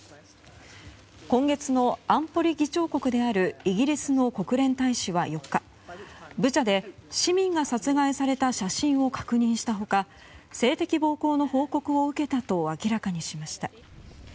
今月の安保理議長国であるイギリスの国連大使は４日、ブチャで市民が殺害された写真を確認した他性的暴行の報告を受けたと明らかにしました。